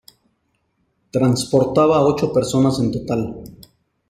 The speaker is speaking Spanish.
Transportaba ocho personas en total.